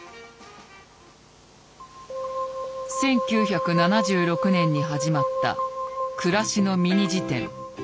１９７６年に始まった「くらしのミニ事典」。